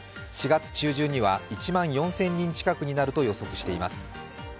４月中旬には１万４０００人近くになると予測しています。